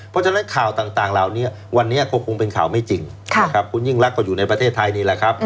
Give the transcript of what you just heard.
เพราะฉะนั้นข่าวต่างเหล่านี้วันนี้ก็คงเป็นข่าวไม่จริงคุณยิ่งรักก็อยู่ในประเทศไทยนี่แหละครับ